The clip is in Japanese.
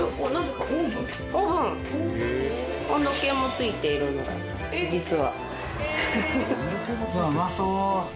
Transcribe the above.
温度計も付いているのだ実は。